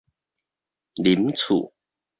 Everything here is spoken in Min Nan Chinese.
林厝